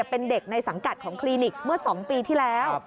เป็นเด็กในสังกัดของคลินิกเมื่อ๒ปีที่แล้ว